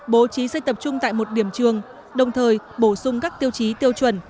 bố trí xe tập trung tại một điểm trường đồng thời bổ sung các tiêu chí tiêu chuẩn